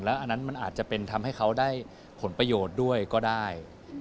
อันนั้นมันอาจจะเป็นทำให้เขาได้ผลประโยชน์ด้วยก็ได้